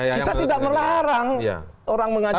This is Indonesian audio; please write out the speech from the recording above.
kita tidak melarang orang mengacu